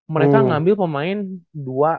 mereka ngambil pemain dua